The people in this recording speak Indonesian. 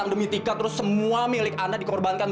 ana itu dilahirkan